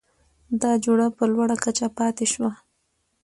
دا جوړه په لوړه کچه پاتې شوه؛